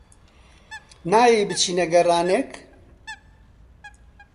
نایەی بچینە گەڕانێک؟